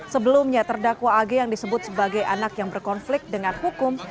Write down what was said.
sebelumnya terdakwa ag yang disebut sebagai anak yang berkonflik dengan hukum